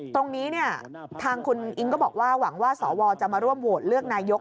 ตรงนี้ทางคุณอิ๊งก็บอกว่าหวังว่าสวจะมาร่วมโหวตเลือกนายก